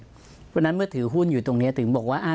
เพราะฉะนั้นเมื่อถือหุ้นอยู่ตรงนี้ถึงบอกว่า